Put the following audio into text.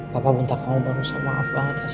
papa minta kamu berusaha maaf banget mas